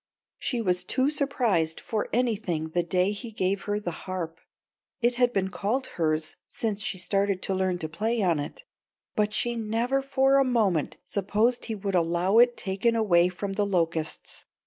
She was too surprised for anything the day he gave her the harp. It had been called hers since she started to learn to play on it, but she never for a moment supposed he would allow it taken away from The Locusts.